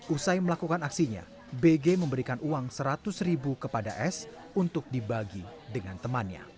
usai melakukan aksinya bg memberikan uang seratus ribu kepada s untuk dibagi dengan temannya